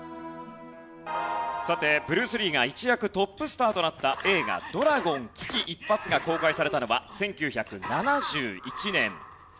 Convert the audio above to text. さてブルース・リーが一躍トップスターとなった映画『ドラゴン危機一発』が公開されたのは１９７１年。